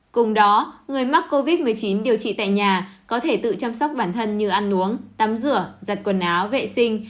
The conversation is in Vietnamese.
cùng đó người mắc covid một mươi chín điều trị tại nhà có thể tự chăm sóc bản thân như ăn uống tắm rửa giặt quần áo vệ sinh